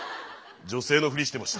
女性のふりしてました。